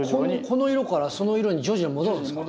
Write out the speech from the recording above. この色からその色に徐々に戻るんですか？